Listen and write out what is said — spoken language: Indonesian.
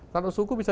kalau suku bisa